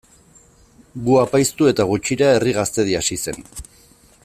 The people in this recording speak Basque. Gu apaiztu eta gutxira Herri Gaztedi hasi zen.